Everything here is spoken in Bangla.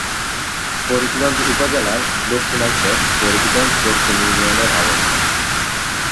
ফরিদগঞ্জ উপজেলার দক্ষিণাংশে ফরিদগঞ্জ দক্ষিণ ইউনিয়নের অবস্থান।